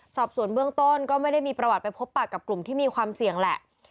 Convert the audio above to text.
สอบส่วนเบื้องต้นก็ไม่ได้มีประวัติไปพบปากกับกลุ่มที่มีความเสี่ยงแหละ